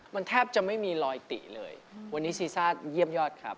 มันแทบจะไม่มีรอยติเลยวันนี้ซีซ่าเยี่ยมยอดครับ